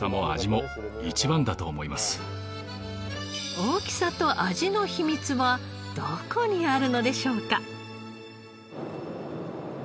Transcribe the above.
大きさと味の秘密はどこにあるのでしょうか？